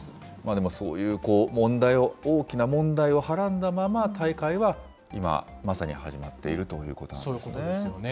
でもそういう問題を、大きな問題をはらんだまま、大会は今、まさに始まっているということなんですね。